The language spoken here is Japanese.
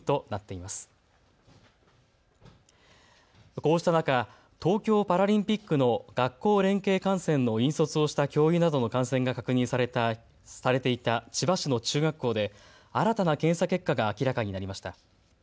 こうした中、東京パラリンピックの学校連携観戦の引率をした教諭などの感染が確認されていた千葉市の中学校で新たな検査結果が明らかになりました。